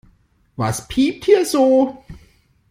Was piept hier so?